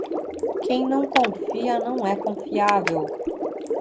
Quem não confia não é confiável.